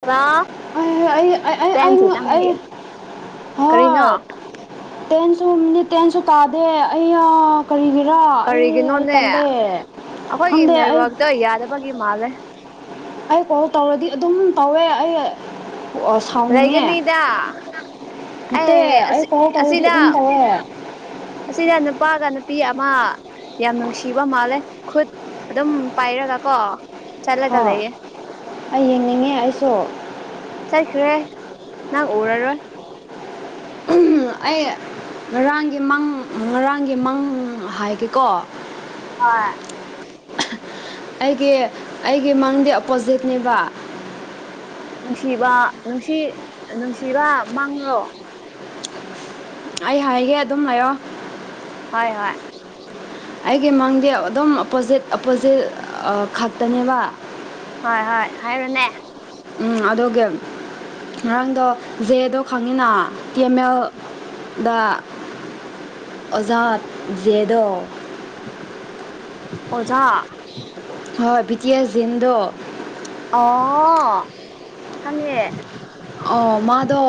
hello ꯑꯩ ꯑ ꯇꯦꯟꯁꯤ ꯑꯩ ꯇꯪꯒꯦ ꯀꯔꯤꯅꯣ ꯍꯣꯏ ꯇꯦꯟꯁꯨꯝꯅꯤ ꯇꯦꯟꯁꯨ ꯇꯥꯗꯦ ꯑꯌꯥ ꯀꯔꯤꯒꯤꯔ ꯑꯩ ꯑꯩ ꯀꯔꯤꯒꯤꯅꯣꯅꯦ ꯇꯜꯂꯦ ꯑꯩꯈꯣꯏꯒꯤ ꯈꯪꯗꯦ ꯑꯩ ꯅꯦꯠꯋꯥꯛꯇꯣ ꯌꯥꯗꯕꯒꯤ ꯃꯥꯜꯂꯦ ꯑꯩ ꯀꯣꯜ ꯇꯧꯔꯗꯤ ꯑꯗꯨꯝ ꯇꯧꯋꯦ ꯑꯩ ꯑꯣ ꯁꯥꯎꯅꯤꯡꯉꯦ ꯂꯩꯒꯅꯤꯗ ꯅꯠꯇꯦ ꯑꯦ ꯑꯩ ꯑꯁꯤ ꯀꯣꯜ ꯇꯧꯔꯗꯤ ꯑꯁꯤꯗ ꯑꯗꯨꯝ ꯇꯧꯋꯦ ꯑꯁꯤꯗ ꯅꯨꯄꯥꯒ ꯅꯨꯄꯤ ꯑꯃ ꯌꯥꯝ ꯅꯨꯡꯁꯤꯕ ꯃꯥꯜꯂꯦ ꯈꯨꯠ ꯑꯗꯨꯝ ꯄꯥꯏꯔꯒ ꯀꯣ ꯍꯣꯏ ꯆꯂꯒꯂꯩꯌꯦ ꯑꯩ ꯌꯦꯡꯅꯤꯡꯉꯦ ꯑꯩꯁꯨ ꯆꯠꯈ꯭ꯔꯦ ꯅꯪ ꯎꯔꯔꯣꯏ ꯑꯩ ꯉꯔꯥꯡꯒꯤ ꯃꯪ ꯉꯔꯥꯡꯒꯤ ꯃꯪ ꯍꯥꯏꯒꯦꯀꯣ ꯍꯣꯏ ꯑꯩꯒꯤ ꯑꯩꯒꯤ ꯃꯪꯗꯤ ꯑꯣꯄꯣꯖꯤꯠꯅꯦꯕ ꯅꯨꯡꯁꯤꯕ ꯅꯨꯡꯁꯤ ꯅꯨꯡꯁꯤꯕ ꯃꯥꯡꯉ꯭ꯔꯣ ꯑꯩ ꯍꯥꯏꯒꯦ ꯑꯗꯨꯝ ꯂꯩꫪꫭ ꯍꯣꯏ ꯍꯣꯏ ꯑꯩꯒꯤ ꯃꯪꯗꯤ ꯑꯗꯨꯝ ꯑꯣꯄꯣꯖꯤꯠ ꯑꯣꯞꯄꯣꯖꯤꯠ ꯈꯛꯇꯅꯦꯕ ꯍꯣꯏ ꯍꯣꯏ ꯍꯥꯏꯔꯣꯅꯦ ꯎꯝ ꯑꯗꯨꯒꯤ ꯉꯔꯥꯡꯗꯣ ꯖꯦꯗꯣ ꯈꯪꯉꯤꯅ ꯇꯤ ꯑꯦꯝ ꯃ‌ꯦꯜꯗ ꯑꯣꯖꯥ ꯖ‌ꯦ ꯗꯣ ꯑꯣꯖꯥ ꯍꯣꯏ ꯕꯤ ꯇꯤ ꯑꯦꯁ ꯖꯤꯟꯗꯣ ꯑꯣ ꯈꫭꯉꯦ ꯑꯣ ꯃꯥꯗꯣ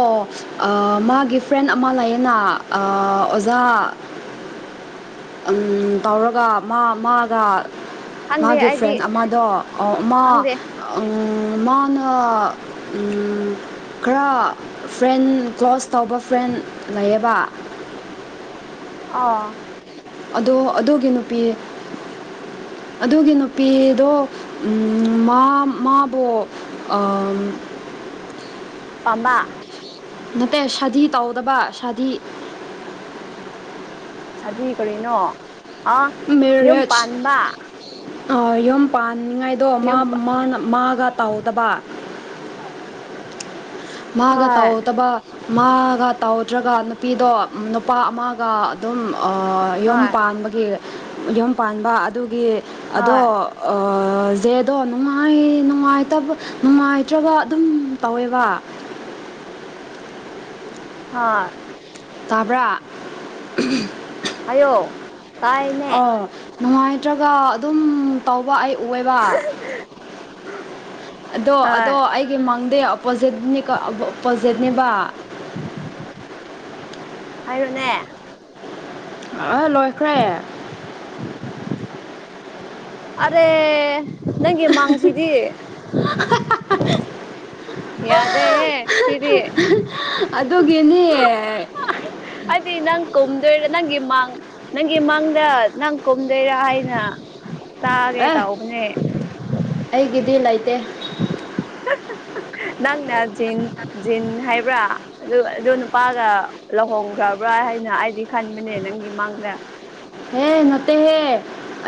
ꯑ ꯃꯥꯒꯤ ꯐ꯭ꯔꯦꯟ ꯑꯃ ꯂꯩꯌꯦꯅ ꯑ ꯑꯣꯖꯥ [unintelligible] ꯇꯧꯔꯒ ꯃꯥ ꯃꯥꯒ ꯈꯪꯗꯦ ꯃꯥꯒꯤ ꯑꯩꯗꯤ ꯐ꯭ꯔꯦꯟ ꯑꯃꯗꯣ ꯑ ꯃꯥ ꯈꯪꯗꯦ ꯏꯪ ꯃꯥꯅ ꯏꯪ ꯈꯔ ꯐ꯭ꯔꯦꯟ ꯀ꯭ꯂꯣꯁ ꯆꯥꯎꯕ ꯐ꯭ꯔꯦꯟ ꯂꯩꯌꯦꯕ ꯑꯥ ꯑꯗꯣ ꯑꯗꯨꯒꯤ ꯅꯨꯄꯤ [unintelligible] ꯑꯗꯨꯒꯤ ꯅꯨꯄꯤꯗꯣ ꯑꯝ ꯃꯥ ꯃꯥꯗꫭ ꯑꯝ ꯄꯥꯝꯕ ꯅꯠꯇꯦ ꯁꯥꯙꯤ ꯇꯧꯗꯕ ꯁꯥꯙꯤ ꯁꯥꯙꯤ ꯀꯔꯤꯅꯣ ꯑꯥ ꯌꯨꯝ ꯄꯥꯟꯕ ꯑ ꯌꯨꯝ ꯄꯥꯟꯅꯤꯉꯥꯏꯗꯣ ꯃꯥ ꯌꯨꯝ ꯃꯥꯅ ꯃꯥꯒ ꯇꯧꯗꯕ ꯃꯥꯒ ꯍꯣꯏ ꯇꯧꯑꯣꯗꯕ ꯃꯥꯒ ꯇꯧ ꯇ꯭ꯔꯒ ꯅꯨꯄꯤꯗꯣ ꯅꯨꯄꯥ ꯑꯃꯒ ꯑꯗꯨꯝ ꯑ ꯌꯨꯝ ꯍꯣꯏ ꯄꯥꯟꯕꯒꯤ ꯌꯨꯝ ꯄꯥꯟꯕ ꯑꯗꯨꯒꯤ ꯑꯗꯣ ꯍꯣꯏ ꯑ ꯖꯦꯗꯣ ꯅꯨꯡꯉꯥꯏꯌꯦ ꯅꯨꯡꯉꯥꯏꯇꯕ ꯅꯨꯡꯉꯥꯏꯇ꯭ꯔꯕ ꯑꯗꯨꯝ ꯇꯧꯋꯦꯕ ꯍꯥ ꯇꯥꯕ꯭ꯔꯥ ꯍꯥꯌꯣ ꯇꯥꯑꯦꯅꯦ ꯑꯧ ꯅꯨꯡꯉꯥꯏꯇ꯭ꯔꯒ ꯑꯗꯨꯝ ꯇꯧꯕ ꯑꯩ ꯋꯦꯕ ꯑꯗꯣ ꯍꯣꯏ ꯑꯗꯣ ꯑꯩꯒꯤ ꯃꯥꯡꯗꯦ ꯄꯣꯖꯦꯠꯅꯤꯀ ꯑꯕꫭ ꯄꯣꯖꯦꯠꯅꯤꯕ ꯍꯥꯏꯔꯣꯅꯦ ꯑꯥ ꯂꯣꯏꯈ꯭ꯔꯦ ꯑꯔꯦ ꯅꯪꯒꯤ ꯃꯥꯡꯁꯤꯗꯤ ꯌꯥꯗꯦꯍꯦ ꯁꯤꯗꯤ ꯀꯅꯤꯑꯦ ꯑꯩꯗꯤ ꯅꯪ ꯀꯣꯝꯗꯣꯏꯔ ꯅꯪꯒꯤ ꯃꯥꯡ ꯅꯪꯒꯤ ꯃꯡꯗ ꯅꯪ ꯀꯨꯝꯗꯣꯏꯔꯥ ꯍꯥꯏꯅ ꯇꯥꯒꯦ ꯇꯎꯕꯅꯦ ꯗꯤ ꯂꯩꯇꯩ [unintelligible] ꯅꯪꯅ ꯖꯤꯟ ꯖꯤꯟ ꯍꯥꯏꯕ꯭ꯔꯥ ꯑꯗꯨ ꯑꯗꯨ ꯅꯨꯄꯥꯒ ꯂꯍꯣꯡꯈ꯭ꯔꯕ꯭ꯔꯥ ꯑꯥꯏ ꯍꯥꯏꯅ ꯑꯩꯗꯤ ꯈꯟꯕꯅꯦ ꯅꯪꯒꯤ ꯃꯥꯡꯗ ꯍꯦ ꯅꯣꯠꯇꯦꯍꯦ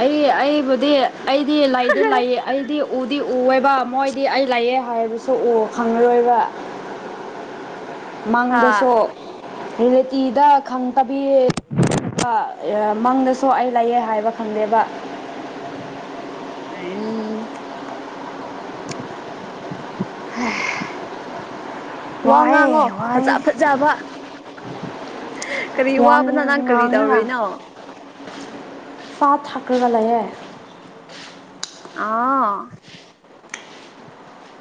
ꯑꯩ ꯑꯩꯕꯨꯗꯤ ꯑꯩꯗꯤ ꯂꯩꯗꯤ ꯂꯩꯑꯦ ꯑꯩꯗꯤ ꯎꯗꯤ ꯎꯋꯦꯕ ꯃꯣꯏꯗꯤ ꯑꯩ ꯂꯩꯑꯦ ꯍꯥꯏꯕꯔ ꯁꯨ ꯎ ꯈꯪꯉꯔꯣꯏꯕ ꯃꯥꯡꯗꯁꯨ ꯍꯥ ꯔꯤꯂꯦꯇꯤꯗ ꯈꯪ ꯇꯕꯤ ꯑ ꯃꯪꯗꯁꯨ ꯑꯩ ꯂꯩꯌꯦ ꯍꯥꯏꯕ ꯈꯪꯗꯦꯕ ꯑꯝ ꯍ ꯋꯥ ꯋꯥꯑꯦ ꯉꯥꯡꯉꯣ ꯋꯥꯌꯦ ꯐꯖ ꯐꯖꯕ ꯀꯔꯤ ꯋꯥꯉꯤ ꯋꯥꯕꯅꯣ ꯅꯪ‌ ꯅꯪ ꯀꯔꯤ ꯉꯥꯡꯉꯤꯅ ꯇꯧꯔꯤꯅꯣ ꯆꯥ ꯊꯛꯀ꯭ꯔꯒ ꯂꯩꯑꯦ ꯑꯥ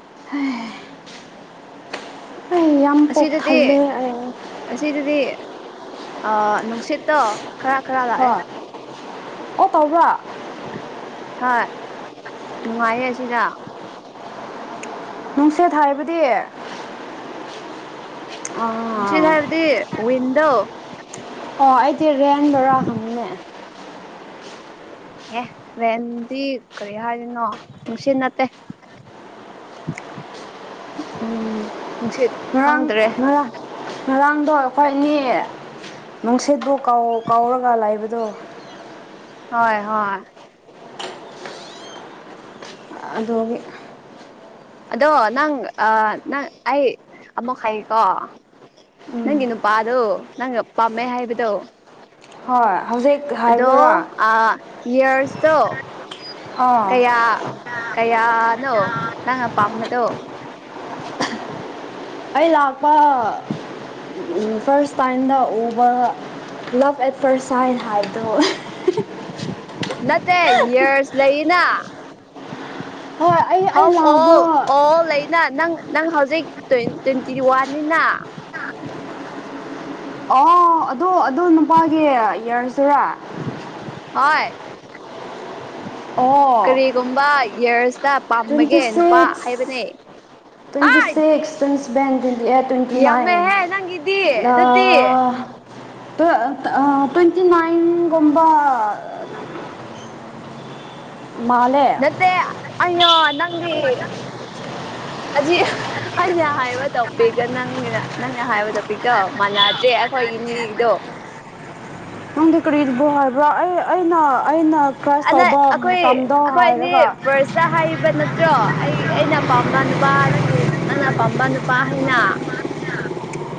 ꯍꯩ ꯑꯁꯤꯗꯗꯤ ꯑꯁꯤꯗꯗꯤ ꯑ ꯅꯨꯡꯁꯤꯠ ꯇꯣ ꯈꯥꯔꯥ ꯈꯥꯔꯥ ꯂꯥꯛꯑꯦ ꯍꯣꯏ ꯑꯣ ꯇꯧꯕ꯭ꯔꯥ ꯍꯣꯏ ꯅꯨꯡꯉꯥꯏꯌꯦ ꯑꯁꯤꯗ ꯅꯨꯡꯁꯦꯠ ꯍꯥꯏꯕꯗꯤ ꯅꯨꯡꯁꯤꯠ ꯍꯥꯏꯕꯗꯤ ꯋꯤꯟꯗꯣ ꯑꯣ ꯑꯩꯗꯤ ꯔꯦꯟ ꯕꯥꯔꯥ ꯍꯪꯉꯤꯅꯦ ꯑꯦ ꯔꯦꯟꯗꯤ ꯀꯔꯤ ꯍꯥꯏꯔꯤꯅꯣ ꯅꯨꯡꯁꯤꯠ ꯅꯠꯇꯦ [unintelligible] ꯎꯝ ꯅꯨꯡꯁꯤꯠ ꯉꯔꯥꯡ ꯈꯪꯗ꯭ꯔꯦ ꯉꯔꯥꯡ ꯉꯔꯥꯡꯗꯣ ꯑꯩꯈꯣꯏ ꯑꯅꯤ ꯅꯨꯡꯁꯤꯠꯄꯨ ꯀꯥꯎ ꯀꯥꯎꯔꯒ ꯂꯥꯏꯕꯗꯣ ꯍꯣꯏ ꯍꯣꯏ [unintelligible] ꯑꯗꯨꯒꯤ ꯑꯗꯣ ꯅꯪ ꯅꯪ ꯑꯩ ꯑꯃꯨꯛ ꯍꯥꯏꯌꯦꯀꯣ ꯎꯝ ꯅꯪꯒꯤ ꯅꯨꯄꯥꯗꯣ ꯅꯪꯒ ꯄꯥꯝꯃꯦ ꯍꯥꯏꯕꯗꯣ ꯍꯣꯏ ꯍꯧꯖꯤꯛ ꯑꯗꯣ ꯍꯥꯏꯕꯗꯨꯔꯥ ꯑ ꯏꯌꯥꯔꯁꯇꯣ ꯑꯥ ꯀꯌꯥ ꯀꯌꯥꯅꯣ ꯅꯪ ꯑꯄꯥꯝꯕꯗꯣ [unintelligible] ꯑꯩ ꯂꯥꯛꯄ ꯐꯥꯔꯁ ꯇꯥꯏꯝꯗ ꯎꯕ ꯂꯞ ꯄꯦꯄꯔ ꯁꯥꯏꯟ ꯍꯥꯏꯕꯗꯣ ꯅꯠꯇ ꯌꯌꯔꯁ ꯂꯩꯏꯅ ꯍꯣꯏ ꯑꯩ ꯑꯩ ꯍꯥꯎ ꯑꯣꯜ ꯂꯥꯛꯕ ꯑꯣꯜ ꯂꯩꯅꯥ ꯅꯪ ꯅꯪ ꯍꯧꯖꯤꯛ ꯇ꯭ꯋꯦꯟꯇꯤ ꯋꯥꯟꯅꯤꯅ ꯑꯣ ꯑꯗꯨ ꯑꯗꯨ ꯅꯨꯄꯥꯒꯤ ꯏꯔꯁꯤꯔꯥ ꯍꯣꯏ ꯑꯣ ꯀꯔꯤꯒꯨꯝꯕ ꯏꯌꯥꯔꯁꯇ ꯄꯥꯝꯕꯒꯦ ꯅꯨꯄꯥ ꯍꯥꯏꯕꯅꯦ ꯇꯨꯖꯤꯁ ꯍꯥꯏ ꯁꯛꯁ ꯇꯨꯁꯕꯦꯟꯗꯅ ꯇ꯭ꯋꯦꯟꯇꯤ ꯅꯥꯏꯟ ꯌꯥꯝꯃꯦꯍꯦ ꯅꯪꯒꯤꯗꯤ ꯑꯗꯨꯗꯤ ꯇ꯭ꯋꯦꯟꯇꯤ ꯅꯥꯏꯟꯒꯨꯝꯕ [inaudible] ꯃꯥꯜꯂꯦ ꯅꯠꯇꯦ ꯑꯣ ꯅꯪꯗꯤ ꯑꯖꯤ ꯑꯩꯁ ꯍꯥꯏꯕ ꯇꯧꯕꯄꯤꯒ ꯅꯪꯒꯤꯅ ꯅꯪꯅꯦ ꯍꯥꯏꯕꯗ ꯄꯇꯣ ꯃꯥꯟꯅꯗ꯭ꯔꯦ ꯑꯩꯈꯣꯏ ꯏꯅꯦꯗꯣ ꯍꯗ ꯀꯔꯤꯗ ꯔꯕ꯭ꯔ ꯑꯩꯅ ꯑꯩꯅ ꯀ꯭ꯔꯁ ꯑꯗ ꯇꯧꯕ ꯑꯩꯈꯣꯏ ꯃꯇꯝꯗꯣ ꯑꯩꯈꯣꯏ ꯑꯅꯤ ꯍꯥꯏꯔꯒ ꯐꯥꯔꯁꯇ ꯍꯥꯏꯔꯤꯕ ꯅꯠꯇ꯭ꯔꯣ ꯑꯩꯒꯤ ꯑꯩꯅ ꯄꯥꯝꯕ ꯅꯨꯄꯥ ꯅꯪꯒꯤ ꯅꯪꯅ ꯑ ꯄꯥꯝꯕ ꯅꯨꯄꯥ ꯍꯥꯏꯩꯅ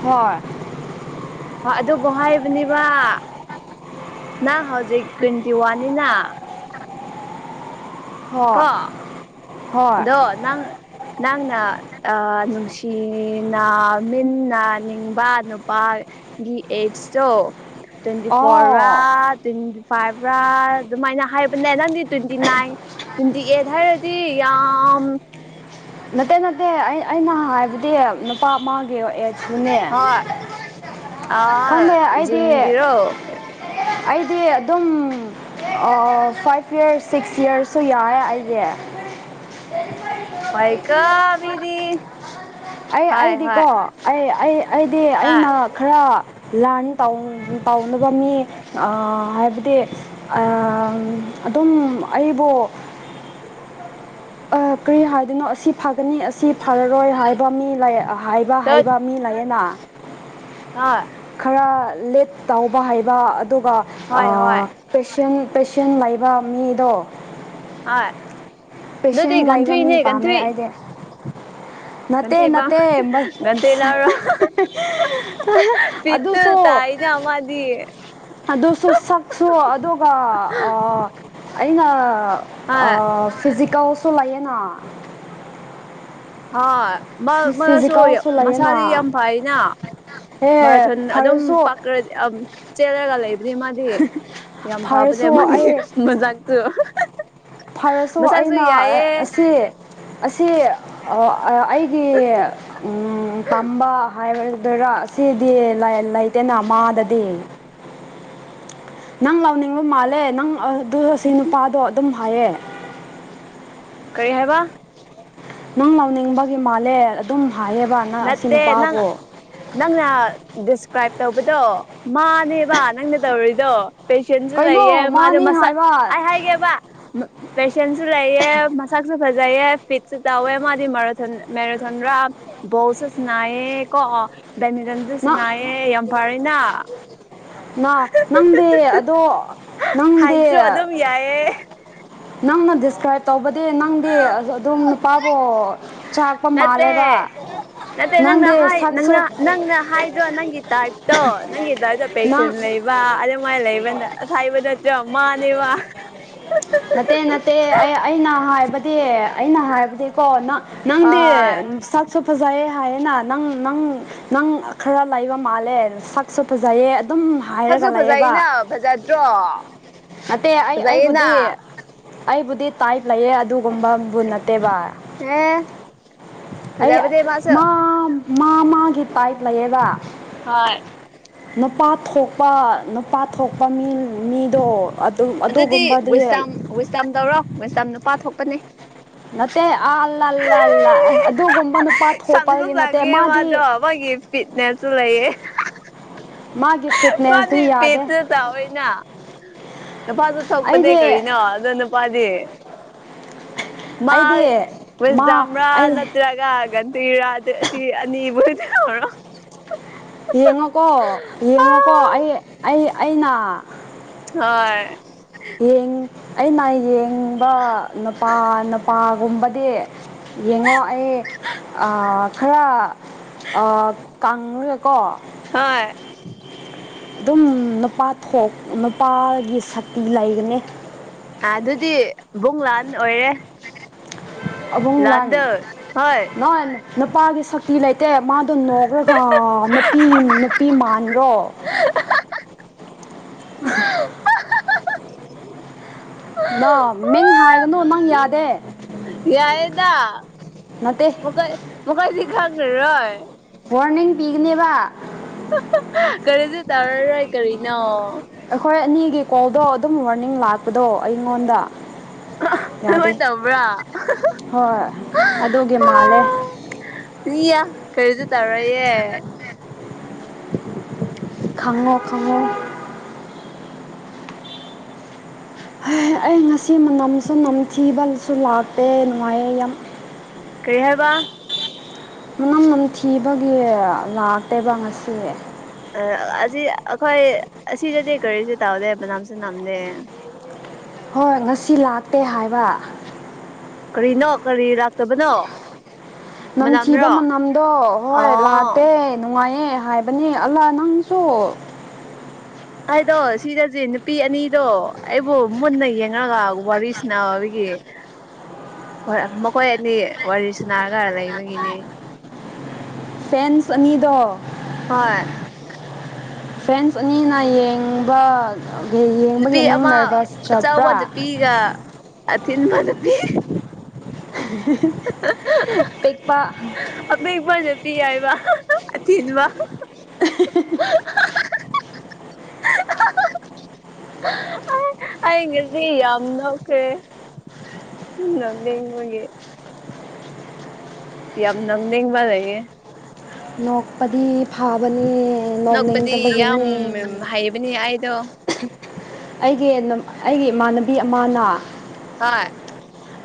ꯍꯣꯏ ꯍ ꯑꯗꯨꯕꯨ ꯍꯥꯏꯕꯅꯦꯕ ꯅꯪ ꯍꯧꯖꯤꯛ ꯇ꯭ꯋꯦꯟꯇꯤ ꯋꯥꯟꯅꯤꯅ ꯍꯣꯏ ꯀꯣ ꯍꯣꯏ ꯑꯗꯣ ꯅꯪ ꯅꯪꯅ ꯅꯨꯡꯁꯤꯅꯃꯤꯟꯅꯅꯥ ꯅꯤꯡꯕ ꯅꯨꯄꯥꯒꯤ ꯑꯦꯠ [unintelligible] ꯑꯣ ꯭ꯔ ꯑꯗꯨꯃꯥꯏꯅ ꯍꯥꯏꯕꯅꯦ ꯅꯪꯗꯤ ꯇ꯭ꯋꯦꯟꯇꯤ ꯅꯥꯏꯟ ꯇ꯭ꯋꯦꯟꯇꯤ ꯑꯩꯠ ꯍꯥꯏꯔꯗꯤ ꯌꯥꯝ ꯅꯠꯇꯦ ꯅꯠꯇꯦ ꯑꯩ ꯑꯩꯅ ꯍꯥꯏꯕꯗꯤ ꯅꯨꯄꯥ ꯑꯃꯒꯤꯒꯤ ꯁꯨꯅꯦ ꯍꯣꯏ ꯈꯪꯉꯦ ꯑ ꯑꯩꯗꯤ ꯖꯤꯝꯒꯤꯔꯣ ꯑꯩ ꯗꯤ ꯑꯗꯨꯝ ꯐꯥꯏꯚ ꯌꯔꯁ ꯁꯤꯛꯁ ꯌꯔꯁꯁꯨ ꯌꯥꯔꯦ ꯑꯩꯗꯤ [unintelligible] ꯍꯣꯏꯀꯣ ꯃꯤꯗꯤ ꯑꯩ ꯍꯣꯏ ꯑꯩꯗꯤꯀꯣ ꯍꯣꯏ ꯑꯩ ꯑꯩ ꯑꯩ ꯑꯩꯗꯤ ꯍꯥ ꯑꯩꯅ ꯈꯔ ꯂꯥꯟꯟ ꯇꯧꯅꯕ ꯃꯤ ꯍꯥꯏꯕꯗꯤ ꯑꯗꯨꯝ ꯑꯩꯕꯨ [inaudible] ꯑ ꯀꯔꯤ ꯍꯥꯏꯗꯣꯏꯅꯣ ꯑꯁꯤ ꯑꯅꯤ ꯑꯁꯤ ꯐꯔꯔꯣꯏ ꯍꯥꯏꯕ ꯃꯤ ꯍꯥꯏꯕ ꯇꯠ ꯍꯩꯕ ꯃꯤ ꯂꯩꯌꯦꯅ ꯍꯣꯏ ꯈꯔ ꯂꯤꯠ ꯇꯥꯎꯕ ꯍꯩꯕ ꯑꯗꯨꯒ ꯍꯣꯏ ꯍꯣꯏ ꯄꯦꯁꯦꯟ ꯄꯦꯁꯦꯟ ꯂꯩꯕ ꯃꯤꯗꯣ ꯑꯥ ꯗꯨꯗꯤ ꯄꯦꯁꯦꯟ ꯂꯩꯕ ꯒꯟꯊꯨꯢꯅꯦ ꯃꯤ ꯄꯥꯝꯃꯦ ꯒꯟꯊꯨꯢ ꯑꯩꯗꯤ ꯅꯠꯇꯦ ꯒꯟꯊꯨꯢꯕ ꯅꯠꯇꯦ ꯒꯟꯊꯨꯢ ꯂꯧꯔꯣ ꯄꯤꯠꯇ ꯑꯗꯨꯁꯨ ꯇꯥꯏꯅꯦ ꯑꯃꯗꯤ ꯑꯗꯨꯁꯨ ꯁꯛꯁꯨ ꯑꯗꯨꯒ ꯑ ꯑꯩꯅ ꯑ ꯍꯣꯏ ꯐꯤꯖꯤꯀꯦꯜꯁꯨ ꯂꯩꯌꯦꯅꯥ ꯍꯣꯏ ꯃꯥꯁꯨ ꯂꯩꯌꯦꯅ ꯃꯁꯥꯗꯤ ꯌꯥꯝ ꯐꯩꯅ ꯑꯦ ꯃꯔꯔꯥꯊꯣꯟ ꯑꯗꯨꯝ ꯐꯔꯁꯨ ꯄꯥꯛ ꯆꯦꯜꯂꯒ ꯂꯩꯕ ꯃꯥꯗꯤ ꯌꯥꯝ ꯐꯕꯅꯦ ꯐꯔꯁꯨ ꯃꯥꯒꯤ ꯑꯩ ꯃꯁꯛꯁꯨ ꯐꯔꯁꯨ ꯑꯩꯅ ꯌꯥꯏꯌꯦ ꯑꯁꯤ ꯑꯁꯤ ꯑꯣ ꯑꯩꯒꯤ ꯄꯥꯝꯕ ꯍꯥꯏꯕꯗꯨꯔꯥ ꯑꯁꯤꯗꯤ ꯂꯩꯇꯦꯅ ꯃꯥꯗꯗꯤ ꯅꯪ ꯂꯥꯎꯅꯤꯡꯕ ꯃꯥꯜꯂꯦ ꯅꯪ ꯑꯗꯨ ꯑꯁꯤ ꯅꯨꯄꯥꯗꯣ ꯑꯗꯨꯝ ꯍꯥꯏꯌꯦ ꯀꯔꯤ ꯍꯥꯏꯕ ꯅꯪ ꯂꯧꯅꯤꯡꯕꯒꯤ ꯃꯥꯜꯂꯦ ꯑꯗꯨꯝ ꯍꯥꯏꯌꯦꯕ ꯅꯪ ꯑꯁꯤ ꯅꯠꯇꯦ ꯅꯪ ꯅꯨꯄꯥꯕꯨ ꯅꯪꯅ ꯀ꯭ꯔꯥꯏꯞ ꯇꯧꯕꯗꯣ ꯃꯥꯅꯦꯕ ꯅꯪꯅ ꯇꯧꯔꯤꯗꯣ ꯄꯦꯁꯦꯟꯁꯨ ꯂꯩꯌꯦ ꯀꯩꯅꯣ ꯃꯥꯗꯤ ꯃꯥꯅꯤ ꯃꯁꯛ ꯍꯥꯏꯕ ꯑꯩ ꯍꯥꯏꯒꯦꯕ ꯄꯦꯁꯦꯟꯁꯨ ꯂꯩꯑꯦ ꯃꯁꯛꯁꯨ ꯐꯖꯩꯌꯦ ꯐꯤꯠꯁꯨ ꯇꯧꯋꯦ ꯃꯥꯗꯤ ꯃꯦꯔꯥꯊꯣꯟ ꯃꯦꯔꯥꯊꯣꯟ ꯔꯥ ꯕꯣꯜꯁꯨ ꯁꯅꯥꯏꯌꯦ ꯀꯣ ꯕꯦꯠꯃꯤꯟꯇꯟꯁꯨ ꯅ ꯁꯅꯥꯏꯌꯦ ꯌꯥꯝ ꯐꯔꯦꯅ ꯅ ꯅꯪꯗꯤ ꯑꯗꯣ ꯅꯪꯗꯤ ꯍꯥꯏꯠꯁꯨ ꯑꯗꯨꯝ ꯌꯥꯏꯌꯦ ꯅꯪꯅ ꯗꯤꯁꯀ꯭ꯔꯥꯏꯞ ꯇꯧꯕꯗꯤ ꯅꯪꯗꯤ ꯑꯗꯨꯝ ꯅꯨꯄꯥꯕꯣ ꯅꯠꯇꯦ ꯅꯠꯇꯦ ꯅꯪꯅ ꯅꯪꯗꯤ ꯍꯥꯏ ꯁꯛꯁꯨ ꯅꯪꯅ ꯅꯪꯅ ꯍꯥꯏꯗ꯭ꯔꯣ ꯅꯪꯒꯤ ꯇꯥꯏꯞꯇꯣ ꯅꯪꯒꯤ ꯇꯥꯏꯞꯇ ꯄꯦꯁꯟ ꯅꯪ ꯂꯩꯕ ꯑꯗꯨꯃꯥꯏꯅ ꯂꯩꯕꯅ ꯑꯁ ꯍꯥꯏꯕꯗ ꯃꯅꯦꯕ ꯅꯠꯇꯦ ꯅꯠꯇꯦ ꯑꯩ ꯑꯩꯅ ꯍꯥꯏꯕꯗꯤ ꯑꯩꯅ ꯍꯥꯏꯕꯗꯤꯀꯣ ꯅꯪ ꯅꯪꯗꯤ ꯍꯣꯏ ꯁꯛꯁꯨ ꯐꯖꯩꯌꯦ ꯍꯥꯏꯌꯦꯅ ꯅꯪ ꯅꯪ ꯅꯪ ꯈꯔ ꯂꯩꯕ ꯃꯥꯜꯂꯦ ꯁꯛꯁꯨ ꯐꯖꯩꯌꯦ ꯑꯗꯨꯝ ꯁꯛꯁꯨ ꯍꯥꯏꯔꯒ ꯂꯩꯌꯦꯕ ꯐꯖꯩꯅ ꯐꯖꯗ꯭ꯔꯣ ꯅꯠꯇꯦ ꯑꯩ ꯐꯖꯩꯌꯦꯅ ꯑꯩꯕꯨꯗꯤ ꯑꯩꯕꯨꯗꯤ ꯇꯥꯏꯞ ꯂꯩꯌꯦ ꯑꯗꯨꯒꯨꯝꯕ ꯕꯨ ꯅꯠꯇꯦꯕ ꯑꯦ ꯑꯩ ꯐꯖꯕꯅꯦ ꯃꯥꯁꯨ ꯃꯥ ꯃꯥ ꯃꯥꯒꯤ ꯇꯥ꯭ꯏꯕ ꯂꯩꯌꯦꯕ ꯍꯣꯏ ꯅꯨꯄꯥ ꯊꯣꯛꯄ ꯅꯨꯄꯥ ꯊꯣꯛꯄ ꯃꯤ ꯃꯤ ꯑꯗꯨꯗꯤ ꯋꯁꯇꯝ ꯋꯁꯇꯥꯝ ꯇꯧꯔꯣ ꯋꯁꯇꯥꯝ ꯅꯨꯄꯥ ꯊꯣꯛꯄꯅꯤ ꯃꯦ ꯑ ꯑꯜꯂ ꯑꯜꯂ ꯑꯜꯂ ꯑꯗꯨꯒꯝꯕ ꯆꯪꯁꯨ ꯆꯪꯉꯦ ꯃꯥꯗꯣ ꯃꯥꯏꯒꯤ ꯄꯤꯠꯅꯦꯁꯨ ꯂꯩꯌꯦ ꯃꯥꯒꯤ ꯐꯤꯠꯅꯦꯁꯇꯤ ꯐꯗꯤ ꯌꯥꯗꯦ ꯄꯦꯠꯇ ꯇꯥꯑꯣꯅ ꯅꯨꯄꯥꯁꯨ ꯊꯛꯄꯅꯦ ꯑꯩꯗꯤ ꯀꯔꯤꯅꯣ ꯑꯗꯣ ꯅꯨꯄꯥꯗꯤ ꯑꯩꯗꯤ ꯃꯥ ꯁꯗꯥꯝ ꯔꯥ ꯑꯩ ꯅꯠꯇ꯭ꯔꯒ ꯒꯟꯇꯤꯔꯥ ꯑꯁꯤ ꯑꯅꯤꯕꯨꯗꯤꯔꯣ ꯌꯦꯡꯉꯣꯀꯣ ꯌꯦꯡꯉꯣꯀꯣ ꯑꯩ ꯑꯩ ꯑꯩꯅ ꯍꯣꯏ ꯑꯩꯅ ꯌꯦꯡꯕ ꯅꯨꯄꯥ ꯅꯨꯄꯥꯒꯨꯝꯕꯗꯤ ꯌꯦꯡꯉꯣ ꯑꯩ ꯈꯔ ꯑ ꯀꯥꯡꯂꯦꯀꯣ ꯍꯣꯏ ꯑꯗꯨꯝ ꯅꯨꯄꯥ ꯊꯣꯛ ꯅꯨꯄꯥꯒꯤ ꯁꯛꯇꯤ ꯂꯩꯒꯅꯤ ꯑꯗꯨꯗꯤ ꯏꯕꯨꯡ ꯂꯥꯟ ꯑꯣꯏꯔꯦ ꯑꯕꯨꯡ ꯂꯥꯟ ꯂꯥꯟꯗꯣ ꯍꯣꯏ ꯅ ꯅꯨꯄꯥꯒꯤ ꯁꯛꯇꯤ ꯂꯩꯇꯦ ꯃꯥꯗꯣ ꯅꯣꯛ꯭ꯔꯒ ꯅꯨꯄꯤ ꯅꯨꯄꯤ ꯃꯥꯟꯈ꯭ꯔꯣ ꯅ ꯃꯤꯡ ꯍꯥꯏꯒꯅꯨ ꯅꯪ ꯌꯥꯗꯦ ꯌꯥꯏꯗꯥ ꯅꯠꯇꯦ ꯃꯈꯥꯏ ꯃꯈ ꯀꯥꯏ ꯁꯤ ꯈꯒ ꯔꯣꯣꯏ ꯋꯥꯔꯅꯤꯡ ꯄꯤꯒꯅꯦꯕ ꯀꯔꯤꯁꯨ ꯇꯥꯔꯔꯣꯏ ꯀꯔꯤꯅꯣ ꯑꯩꯈꯣꯏ ꯑꯅꯤꯒꯤ ꯀꯣꯜꯗꯣ ꯑꯗꯨꯝ ꯋꯥꯔꯅꯤꯡ ꯂꯥꯛꯄꯗꯣ ꯑꯩꯉꯣꯟꯗ ꯌꯥꯗꯦ ꯍꯣꯏ ꯇꯧꯕ꯭ꯔꯥ ꯍꯣꯏ ꯑꯗꯨꯒꯤ ꯃꯥꯜꯂꯦ [unintelligible] ꯏꯌꯥ ꯀꯔꯤꯁꯨ ꯇꯧꯔꯣꯏꯌꯦ ꯈꯪꯉꯣ ꯈꯪꯉꯣ ꯍꯩ ꯑꯩ ꯉꯁꯤ ꯃꯅꯝꯁꯨ ꯅꯝꯊꯤꯕꯁꯨ ꯂꯥꯛꯇꯦ ꯅꯨꯡꯉꯥꯏꯌꯦ ꯌꯥꯝ ꯀꯔꯤ ꯍꯥꯏꯕ ꯃꯅꯝ ꯅꯝꯊꯤꯕꯒꯤ ꯂꯥꯛꯇꯦꯕ ꯉꯁꯤ ꯑ ꯑꯁꯤ ꯑꯩꯈꯣꯏ ꯑꯁꯤꯗꯗꯤ ꯀꯔꯤꯁꯨ ꯇꯥꯎꯗꯦ ꯃꯅꯝꯁꯨ ꯅꯝꯗꯦ ꯍꯣꯏ ꯉꯁꯤ ꯂꯥꯛꯇꯦ ꯍꯥꯏꯕ ꯀꯔꯤꯅꯣ ꯀꯔꯤꯔꯥ ꯅꯝꯊꯤꯕ ꯃꯅꯝꯗꯣ ꯍꯣꯏ ꯂꯥꯛꯇꯦ ꯑꯣ ꯅꯨꯡꯉꯥꯏꯌꯦ ꯑꯦ ꯍꯥꯏꯕꯅꯦ ꯑꯜꯂꯥ ꯅꯪꯁꯨ ꯑꯩꯗꯣ ꯁꯤꯗꯖꯤ ꯅꯨꯄꯤ ꯑꯅꯤꯗꯣ ꯑꯩꯕꯨ ꯃꯨꯟꯅ ꯌꯦꯡꯉꯒꯥ ꯋꯥꯔꯤꯁꯅꯥꯕꯒꯤ ꯍꯣꯏ ꯃꯈꯣꯏ ꯑꯅꯤ ꯋꯥꯔꯤꯁꯅ ꯀꯔ ꯂꯩꯕꯒꯤꯅꯦ ꯐꯦꯟꯁ ꯑꯅꯤꯗꯣ ꯍꯣꯏ ꯐ꯭ꯔꯦꯟꯁ ꯑꯅꯤꯅ ꯌꯦꯡꯕ ꯑꯣꯈꯦ ꯌꯦꯡꯕꯒꯤ ꯅꯨꯄꯤ ꯅꯪ ꯑꯃ ꯅꯥꯚ꯭ꯔꯁ ꯆꯠꯄ꯭ꯔꯥ ꯊꯤꯟꯕ ꯅꯨꯄꯤ [unintelligible] ꯄꯤꯛꯄ ꯑꯄꯤꯛꯄ ꯅꯨꯄꯤ ꯍꯥꯏꯕ ꯑꯊꯤꯟꯕ [unintelligible] [unintelligible] ꯑꯩ ꯉꯁꯤ ꯌꯥꯝ ꯅꯣꯛꯈ꯭ꯔꯦ ꯎꯝ ꯅꯣꯛꯅꯤꯡꯕꯒꯤ ꯌꯥꯝ ꯅꯪꯅꯤꯡꯕ ꯂꯩꯑꯦ ꯅꯣꯛꯄꯗꯤ ꯐꯥꯕꯅꯦ ꯅꯣꯛꯄꯗꯤ ꯌꯥꯝ ꯅꯣꯛꯅꯤꯡꯗꯕꯒꯤꯅꯦ ꯍꯩꯕꯅꯦ ꯑꯩꯗꯣ ꯑꯩꯒꯤ ꯅꯝ ꯑꯩꯒꯤ ꯏꯃꯥꯟꯅꯕꯤ ꯑꯃꯅꯥ ꯍꯣꯏ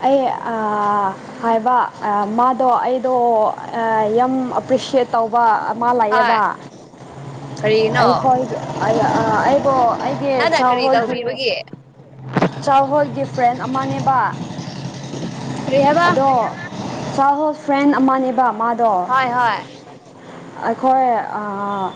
ꯑꯩ ꯑꯥ ꯍꯥꯏꯕ ꯑ ꯃꯥꯗꯣ ꯑꯩꯗꯣ ꯑ ꯌꯥꯝ ꯑꯄ꯭ꯔꯦ ꯑꯦꯄ꯭ꯔꯤꯁꯤꯌꯦꯠ ꯇꯧꯕ ꯑꯦꯄ꯭ꯔꯤ ꯃꯥ ꯍꯣꯏ ꯂꯥꯛꯑꯦꯕ ꯀꯔꯤꯅꯣ ꯑꯩꯈꯣꯏ ꯑꯩ ꯑ ꯑꯩꯕ‌ꯣ ꯑꯩꯒꯤ ꯅꯪꯅ ꯆꯥ ꯀꯔꯤ ꯍꯣꯏꯒꯤ ꯇꯧꯕꯤꯕꯒꯤ ꯆꯥ ꯍꯣꯏꯒꯤ ꯐ꯭ꯔꯦꯟ ꯑꯃꯅꯦꯕꯥ ꯀꯔꯤ ꯍꯥꯏꯕ ꯑꯗꯣ ꯆꯥꯏꯜ ꯍꯨꯗ ꯐ꯭ꯔꯦꯟ ꯑꯃꯅꯦꯕ ꯃꯥ ꯍꯣꯏ ꯍꯣꯏ ꯑꯩꯈꯣꯏ ꯑꯥꯥ